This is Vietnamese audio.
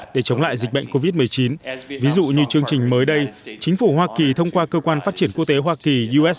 để chống lại dịch bệnh covid một mươi chín ví dụ như chương trình mới đây chính phủ hoa kỳ thông qua cơ quan phát triển quốc tế hoa kỳ